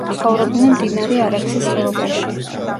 ცხოვრობდნენ მდინარე არაქსის ხეობაში.